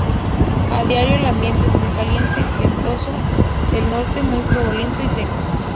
A diario, el ambiente es muy caliente, ventoso del norte, muy polvoriento y seco.